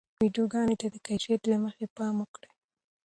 ویډیوګانو ته د کیفیت له مخې پام وکړئ.